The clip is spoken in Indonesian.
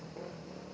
nggak ada pakarnya